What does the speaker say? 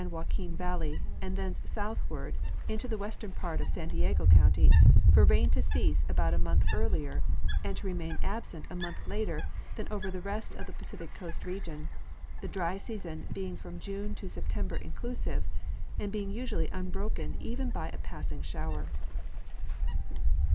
Joaquin valley and thence southward into the western part of San Diego county for rain to cease about a month earlier and to remain absent a month later than over the rest of the Pacific coast region, the dry season being fi om .June to Seiotem ber, inclusive, and being usually unbroken even by a passing shower.